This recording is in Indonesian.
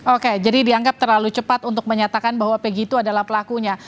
oke jadi dianggap terlalu cepat untuk menyatakan bahwa pegi itu adalah pelakunya